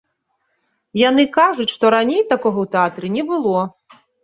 Яны кажуць, што раней такога ў тэатры не было.